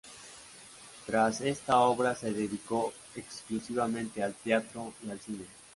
Tras esta obra se dedicó exclusivamente al teatro y al cine.